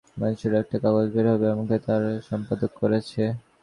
মৈশুরে একটা কাগজ বের হবে, আমাকে তার সম্পাদক করেছে।